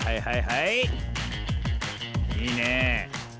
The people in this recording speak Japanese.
いいね。